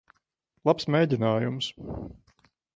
Labs mēģinājums.